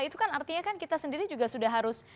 itu kan artinya kan kita sendiri juga sudah harus